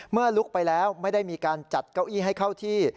ลุกไปแล้วไม่ได้มีการจัดเก้าอี้ให้เข้าที่